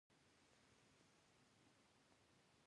په افغانستان کې د قومونه بېلابېلې او ډېرې ګټورې منابع شته.